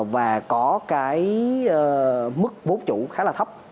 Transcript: và có mức vốn chủ khá là thấp